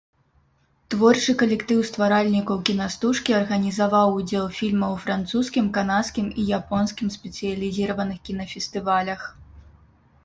Творчы калектыў стваральнікаў кінастужкі арганізаваў удзел фільма ў французскім, канадскім і японскім спецыялізіраваных кінафестывалях.